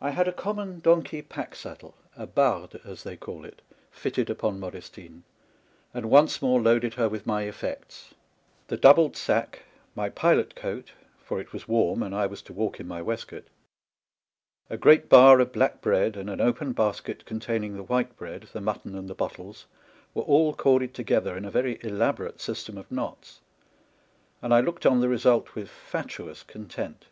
I had a common donkey pack saddle — a barde, as they call it — fitted upon Modes tine ; and once more loaded her with my effects. The doubled sack, my pilot coat (for it was warm, and I was to walk in my waistcoat), a great bar of black bread, and an open basket containing the white bread, the mutton, and the bottles, were all corded together in a very elaborate system of knots, and I looked on the result with fatuous content.